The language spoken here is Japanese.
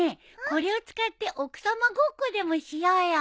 これを使って奥さまごっこでもしようよ。